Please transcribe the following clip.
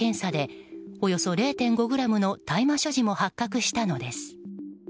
更にその際、所持品検査でおよそ０．５ｇの大麻所持も発覚したのです。